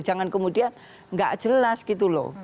jangan kemudian nggak jelas gitu loh